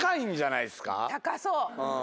高そう。